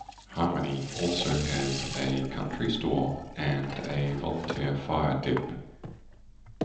Harmony also has a country store and a volunteer fire dept.